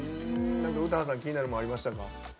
詩羽さん、気になるものありましたか？